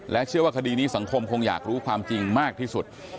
เชื่อว่าคดีนี้สังคมคงอยากรู้ความจริงมากที่สุด